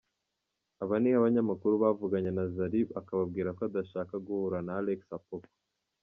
Aba ni abanyamakuru bavuganye na Zari akababwira ko adashaka guhura na Alex Apoko.